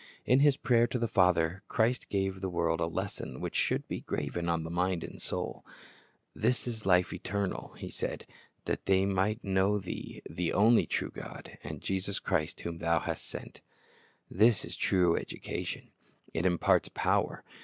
In His prayer to the Father, Christ gave to the world a lesson which should be graven on mind and soul. "This is life eternal," He said, "that they might know Thee the only true God, and Jesus Christ, whom Thou hast sent."' This is true education. It imparts power.